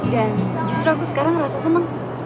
dan justru aku sekarang ngerasa seneng